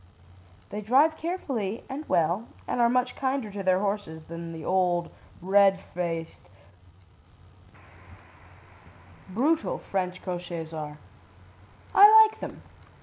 They drive carefully and well and are much kinder to their horses than the old, red faced, brutal French cochérs are. I like them.